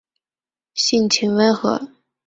性情温和。